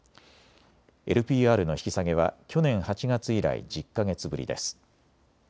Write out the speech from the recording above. ＬＰＲの引き下げは去年８月以来、１０か月ぶりです。